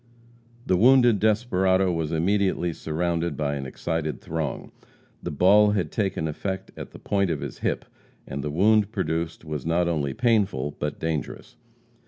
The wounded desperado was immediately surrounded by an excited throng. The ball had taken effect at the point of his hip, and the wound produced was not only painful but dangerous.